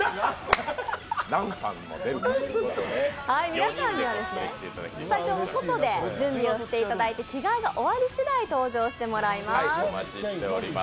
皆さんにはスタジオの外で準備をしていただいて着替えが終わりしだい、登場してもらいます。